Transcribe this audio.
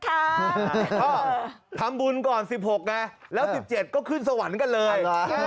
ก็ทำบุญก่อน๑๖ไงแล้ว๑๗ก็ขึ้นสวรรค์กันเลย